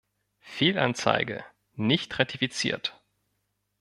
Fehlanzeige, nicht ratifiziert!